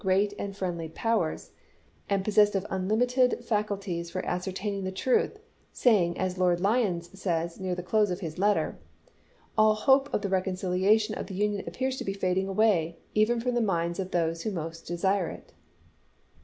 gi'eat and friendly powers, and possessed of un limited facilities for ascertaining the truth, say ing, as Lord Lyons says near the close of his letter, "all hope of the reconstruction of the Union appears to be fading away, even from the minds of those who most desire it."